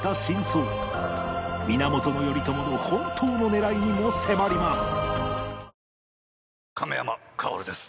源頼朝の本当の狙いにも迫ります